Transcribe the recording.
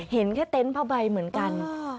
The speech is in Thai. เห็นแค่เต้นพาวใบเหมือนกัน